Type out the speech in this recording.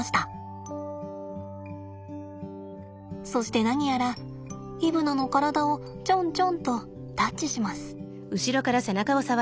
そして何やらイブナの体をチョンチョンとタッチします。